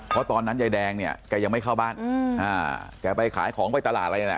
เพราะตอนนั้นยายแดงเนี่ยแกยังไม่เข้าบ้านแกไปขายของไปตลาดอะไรนั่นแหละ